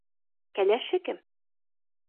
Кәләше кем?